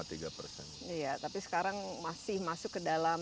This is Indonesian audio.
iya tapi sekarang masih masuk ke dalam